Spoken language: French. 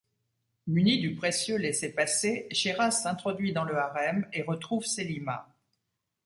Muni du précieux laissez-passer, Shiraz s'introduit dans le harem et retrouve Selima.